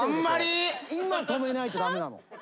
今止めないと駄目なの。